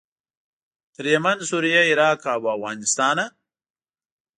تر یمن، سوریې، عراق او افغانستانه.